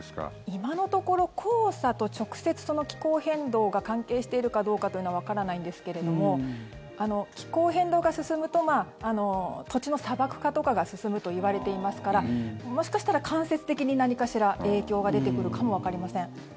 今のところ黄砂と直接、気候変動が関係しているかどうかというのはわからないんですけれども気候変動が進むと土地の砂漠化とかが進むといわれていますからもしかしたら間接的に何かしら影響が出てくるかもわかりません。